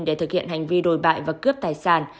để thực hiện hành vi đồi bại và cướp tài sản